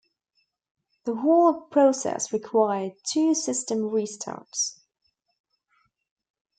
The whole process required two system restarts.